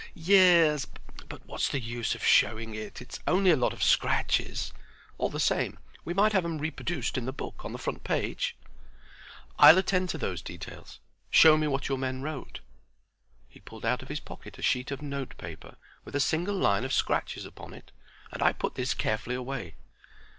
"Ye es, but what's the use of showing it? It's only a lot of scratches. All the same, we might have 'em reproduced in the book on the front page." "I'll attend to those details. Show me what your men wrote." He pulled out of his pocket a sheet of note paper, with a single line of scratches upon it, and I put this carefully away.